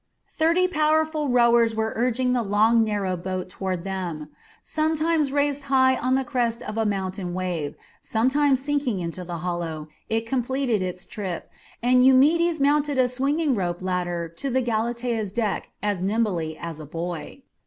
Thirty powerful rowers were urging the long, narrow boat toward them. Sometimes raised high on the crest of a mountain wave, sometimes sinking into the hollow, it completed its trip, and Eumedes mounted a swinging rope ladder to the Galatea's deck as nimbly as a boy.